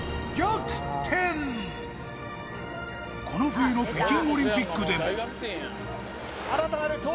この冬の北京オリンピックでも新たなる